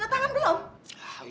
ini harus gue lakuin